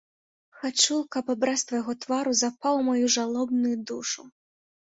Хачу, каб абраз твайго твару запаў у маю жалобную душу.